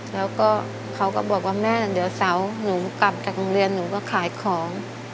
แล้วก็เขาก็บอกว่าแม่เดี๋ยวเสาร์หนูกลับจากโรงเรียนหนูก็ขายของ